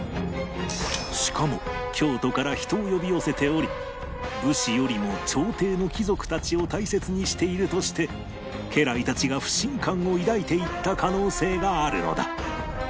しかも京都から人を呼び寄せており武士よりも朝廷の貴族たちを大切にしているとして家来たちが不信感を抱いていった可能性があるのだ